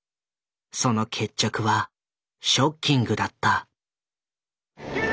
その決着はショッキングだった。